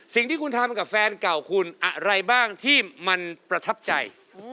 สิ่งที่คุณทำกับแฟนเก่าคุณอะไรบ้างที่มันประทับใจ